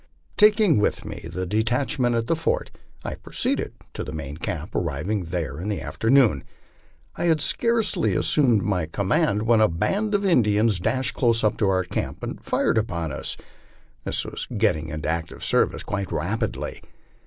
Taking with me the detachment at the fort, I proceeded to the main camp, arriving there in the afternoon. I had scarcely assumed command when 126 LIFE ON THE PLAINS. a band of Indians dashed close up to our camp and fired upon us. This was getting into active service quite rapidly.